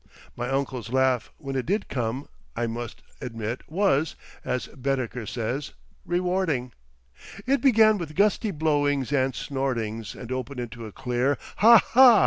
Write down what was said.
My uncle's laugh when it did come, I must admit was, as Baedeker says, "rewarding." It began with gusty blowings and snortings, and opened into a clear "Ha ha!"